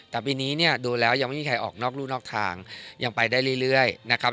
แต่ปีนี้เนี่ยดูแล้วยังไม่มีใครออกนอกรู่นอกทางยังไปได้เรื่อยนะครับ